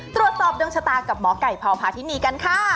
ตรวจสอบดวงชะตากับหมอไก่พพาธินีกันค่ะ